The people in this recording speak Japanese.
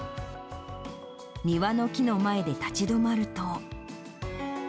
庭の木の前で立ち止まると。